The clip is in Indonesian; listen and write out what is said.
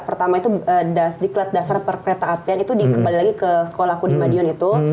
pertama itu di klat dasar perkereta apian itu kembali lagi ke sekolah aku di madiun itu